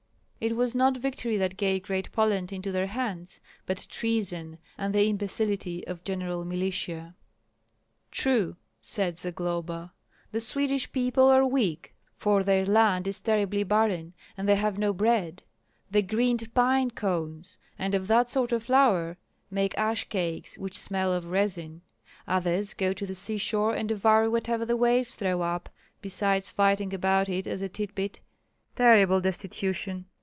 It was not victory that gave Great Poland into their hands, but treason and the imbecility of general militia." "True," said Zagloba. "The Swedish people are weak, for their land is terribly barren, and they have no bread; they grind pine cones, and of that sort of flour make ash cakes which smell of resin. Others go to the seashore and devour whatever the waves throw up, besides fighting about it as a tidbit. Terrible destitution!